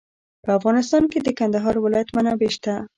په افغانستان کې د کندهار ولایت منابع شته.